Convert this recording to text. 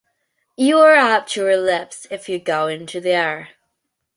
You're apt to relapse if you go into the air.